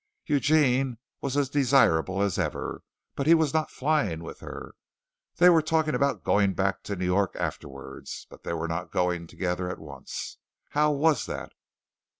Eugene was as desirable as ever, but he was not flying with her. They were talking about going back to New York afterwards, but they were not going together at once. How was that?